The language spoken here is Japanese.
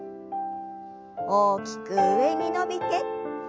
大きく上に伸びて。